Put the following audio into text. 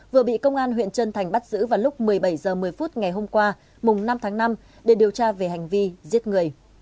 vừa bị công an huyện trân thành bắt giữ vào lúc một mươi bảy h một mươi phút ngày hôm qua mùng năm tháng năm để điều tra về hành vi giết người